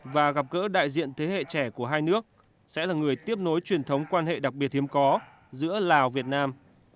và gặp gỡ đại diện thế hệ trẻ của hai nước sẽ là người tiếp nối truyền thống quan hệ đặc biệt hiếm có giữa lào việt nam